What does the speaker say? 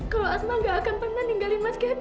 kalau asmat gak akan pernah ninggalin mas kevin